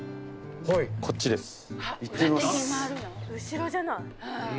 後ろじゃない？